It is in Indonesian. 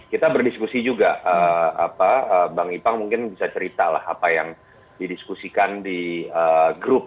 kita berdiskusi juga bang ipang mungkin bisa cerita lah apa yang didiskusikan di grup